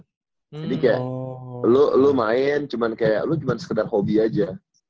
jadi kayak lu main cuma kayak lu cuma sekedar hobi aja